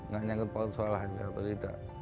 gak nyangkut soalnya atau tidak